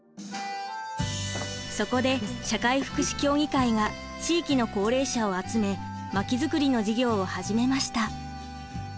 そこで社会福祉協議会が地域の高齢者を集めまき作りの事業を始めました。